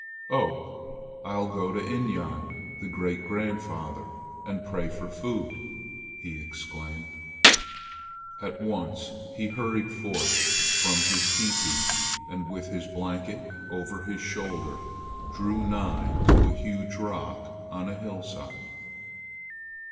"Oh! I'll go to Inyan, the great grandfather, and pray for food!" he exclaimed. At once he hurried forth from his teepee and, with his blanket over one shoulder, drew nigh to a huge rock on a hillside.